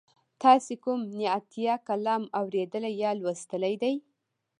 تاسې کوم نعتیه کلام اوریدلی یا لوستلی دی؟